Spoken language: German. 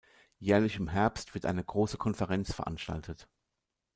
Jährlich im Herbst wird eine grosse Konferenz veranstaltet.